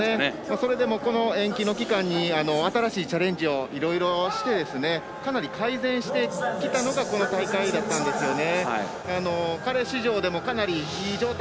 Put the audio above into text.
それでもこの延期の期間に新しいチャレンジをいろいろしてかなり改善してきたのがこの大会だったんですね。